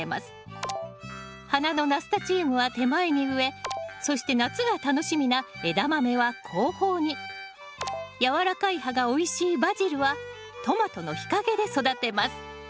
花のナスタチウムは手前に植えそして夏が楽しみなエダマメは後方に軟らかい葉がおいしいバジルはトマトの日陰で育てます